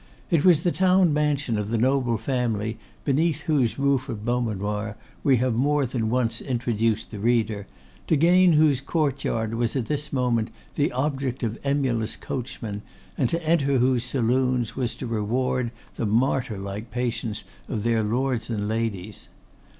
It was the town mansion of the noble family beneath whose roof at Beaumanoir we have more than once introduced the reader, to gain whose courtyard was at this moment the object of emulous coachmen, and to enter whose saloons was to reward the martyr like patience of their lords and ladies.